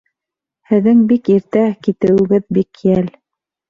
Һеҙҙең бик иртә китеүегеҙ бик йәл.